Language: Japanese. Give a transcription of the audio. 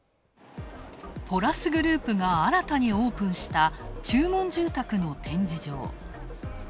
ポラスグループが新たにオープンした注文住宅の展示場。